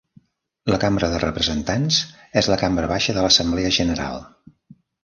La Cambra de representants és la cambra baixa de l'Assemblea general.